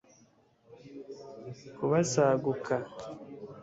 kubasaguka